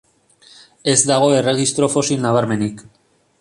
Ez dago erregistro fosil nabarmenik.